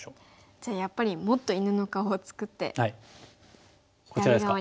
じゃあやっぱりもっと犬の顔を作って左側に。